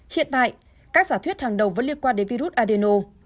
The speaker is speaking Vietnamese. hiện tại các giả thuyết hàng đầu vẫn liên quan đến virus adeno